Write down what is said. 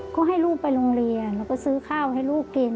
ก็ให้ลูกไปโรงเรียนแล้วก็ซื้อข้าวให้ลูกกิน